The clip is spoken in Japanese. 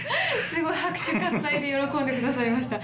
すごい拍手喝采で喜んでくださいました。